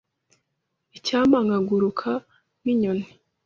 Icyampa nkaguruka nkinyoni.